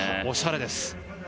おしゃれです。